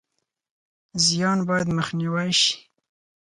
زیان باید مخنیوی شي